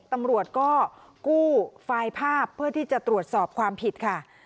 ตำรวจก็กู้ไฟล์ภาพเพื่อที่จะตรวจสอบความผิดค่ะ